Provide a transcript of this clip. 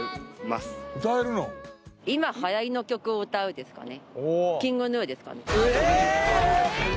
今流行りの曲を歌うですかね。